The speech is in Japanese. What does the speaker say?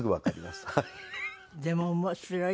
でも面白い。